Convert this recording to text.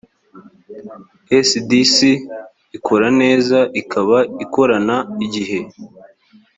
sdc ikora neza ikaba ikorana igihe